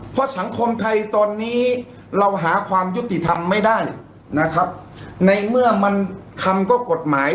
เพราะสังคมไทยตอนนี้เราหาความยุติธรรมไม่ได้นะครับในเมื่อมันทำก็กฎหมาย